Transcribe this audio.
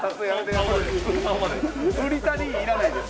ウリタ・リーいらないです。